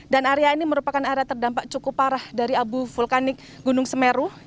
dan area ini merupakan area terdampak cukup parah dari abu vulkanis gunung semeru